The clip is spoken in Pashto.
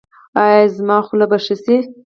ایا زما خوله به ښه شي؟